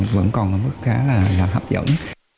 vẫn còn ở mức khá là hấp dẫn